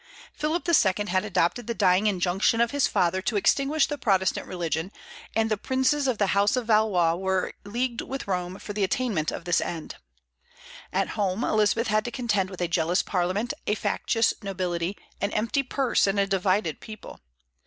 Philip II. had adopted the dying injunction of his father to extinguish the Protestant religion, and the princes of the House of Valois were leagued with Rome for the attainment of this end. At home, Elizabeth had to contend with a jealous Parliament, a factious nobility, an empty purse, and a divided people.